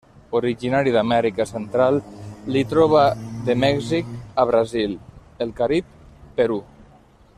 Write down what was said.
Originari d'Amèrica central, l'hi troba de Mèxic a Brasil, el Carib, Perú.